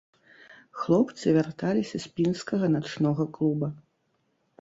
Хлопцы вярталіся з пінскага начнога клуба.